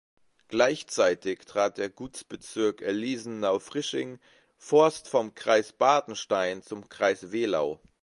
Gleichzeitig trat der Gutsbezirk Elisenau-Frisching, Forst vom Kreis Bartenstein zum Kreis Wehlau.